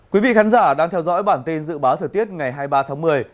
quý vị khán giả đang theo dõi bản tin dự báo thời tiết ngày hai mươi ba tháng một mươi